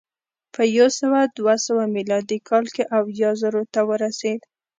په یو سوه دوه سوه میلادي کال کې اویا زرو ته ورسېد